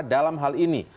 dalam hal ini